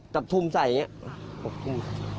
จับทุ่มใส่อย่างเงี้ยก็อย่างเงี้ย